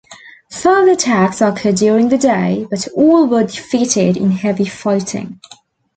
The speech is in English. Further attacks occurred during the day, but all were defeated in heavy fighting.